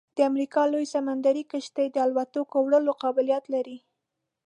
د امریکا لویه سمندري کشتۍ د الوتکو وړلو قابلیت لري